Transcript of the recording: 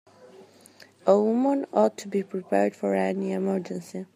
A woman ought to be prepared for any emergency.